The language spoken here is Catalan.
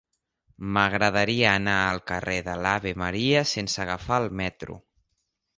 M'agradaria anar al carrer de l'Ave Maria sense agafar el metro.